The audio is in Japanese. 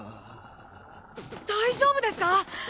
大丈夫ですか！？